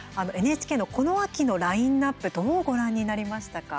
ＮＨＫのこの秋のラインナップどうご覧になりましたか？